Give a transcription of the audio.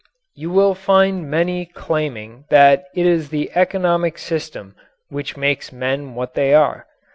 You will find many claiming that it is the economic system which makes men what they are.